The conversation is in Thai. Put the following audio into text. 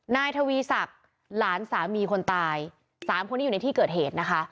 นายทวีศักดิ์หลานสามีคนตายสามคนที่อยู่ในที่เกิดเหตุนะคะ